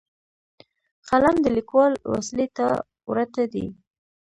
قلم د لیکوال وسلې ته ورته دی.